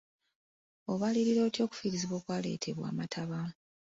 Obalirira otya okufiirizibwa okwaleetebwa amataba?